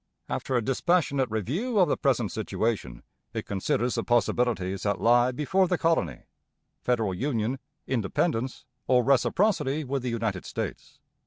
After a dispassionate review of the present situation, it considers the possibilities that lie before the colony federal union, independence, or reciprocity with the United States.